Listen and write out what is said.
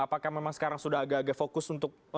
apakah memang sekarang sudah agak agak fokus untuk